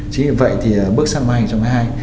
chính vì vậy thì bước sang năm hai nghìn hai mươi hai